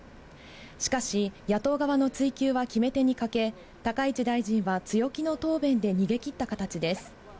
しかし、野党側の追及は決め手に欠け、高市大臣は強気の答弁で逃げ切った形です。